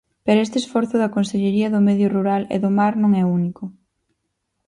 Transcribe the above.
Pero este esforzo da Consellería do Medio Rural e do Mar non é único.